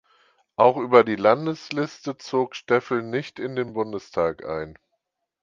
Auch über die Landesliste zog Steffel nicht in den Bundestag ein.